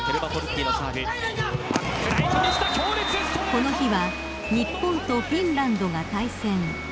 ［この日は日本とフィンランドが対戦］